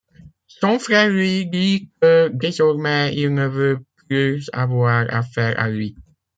Son frère lui dit que désormais il ne veut plus avoir affaire à lui.